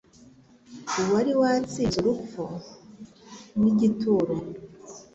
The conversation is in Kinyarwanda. Uwari watsinze urupfu n'igituro,